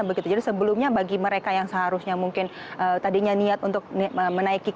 begitu jadi sebelumnya bagi mereka yang seharusnya mungkin tadinya niat untuk menaiki k lima puluh enam